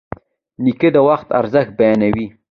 نیکه د وخت ارزښت بیانوي.